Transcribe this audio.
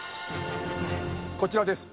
こちらです。